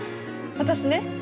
私ね